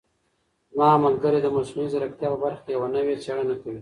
زما ملګری د مصنوعي ځیرکتیا په برخه کې یوه نوې څېړنه کوي.